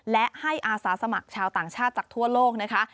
และให้อาสาสมัครชาวต่างชาติจากทั่วโลกนะคะ